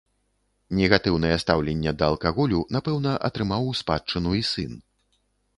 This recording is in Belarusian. Негатыўнае стаўленне да алкаголю, напэўна, атрымаў у спадчыну і сын.